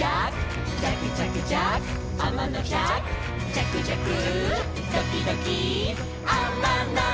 「じゃくじゃくドキドキあまのじゃく」